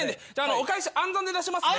お返し暗算で出しますね。